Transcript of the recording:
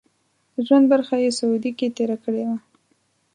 د ژوند برخه یې سعودي کې تېره کړې وه.